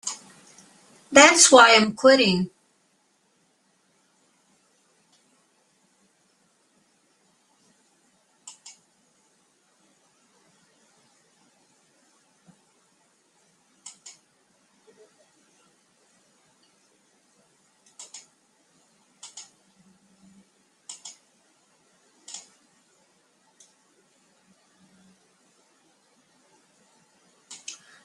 That's why I'm quitting.